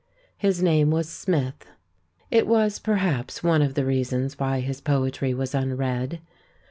His name was Smith. It was, perhaps, one of the reasons why his poetry was unread.